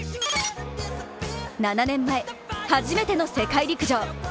７年前、初めての世界陸上。